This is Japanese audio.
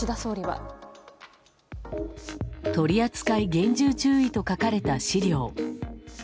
「取扱厳重注意」と書かれた資料。